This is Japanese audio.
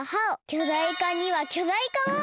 きょだいかにはきょだいかを！